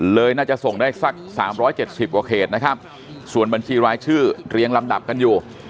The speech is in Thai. เลยน่าจะส่งได้สัก๓๗๐กว่าเขตนะครับส่วนบัญชีรายชื่อเรียงลำดับกันอยู่